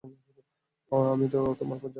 আমি তো তোমার পূজারী নই।